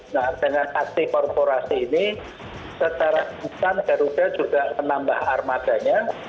nah dengan aksi korporasi ini secara bukan garuda juga menambah armadanya